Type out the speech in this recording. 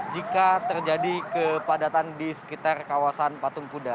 jika terjadi kepadatan di sekitar kawasan patung kuda